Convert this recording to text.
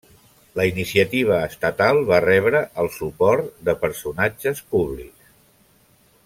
La iniciativa estatal va rebre el suport de personatges públics.